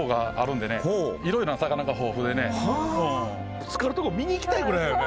ぶつかるとこ見に行きたいぐらいやな。